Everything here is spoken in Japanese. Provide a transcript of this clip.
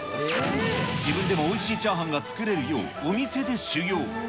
自分でもおいしいチャーハンが作れるようお店で修業。